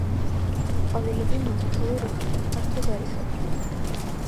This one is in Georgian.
ყვავილები მოწითალო რუხია, ფართო ზარისებრი.